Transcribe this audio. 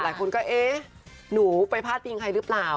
หลายคนก็เอ๊ะหนูไปพาดพิงใครหรือเปล่า